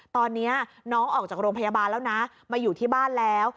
ตอนนี้น้องออกจากโรงพยาบาลแล้วนะมาอยู่ที่บ้านแล้ว